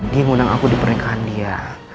dia ngundang aku di pernikahan dia